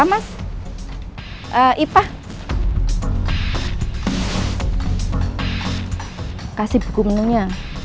terima kasih ya